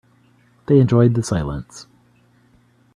They enjoyed the silence.